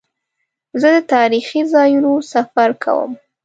زه د تاریخي ځایونو سفر کوم.